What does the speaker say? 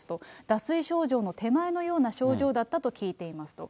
脱水症状の手前のような症状だったと聞いていますと。